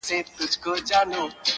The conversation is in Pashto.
زما د اوښکي ـ اوښکي ژوند سره اشنا ملگري